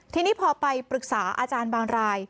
ทีนี้พอไปปรึกษาอาจารย์บางราย